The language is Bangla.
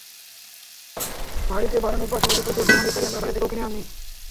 বাড়িতে বানানোর পাশাপাশি প্রচুর পরিমাণে ইফতারি আমরা বাইরে থেকেও কিনে আনি।